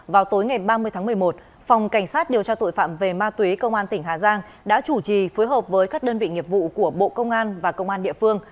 vào tối ngày ba mươi tháng một mươi một phòng cảnh sát điều tra tội phạm về ma túy công an tỉnh hà giang đã chủ trì phối hợp với các đơn vị nghiệp vụ của bộ công an và công an địa phương